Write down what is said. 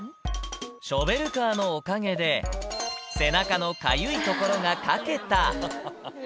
ショベルカーのおかげで、背中のかゆいところがかけた。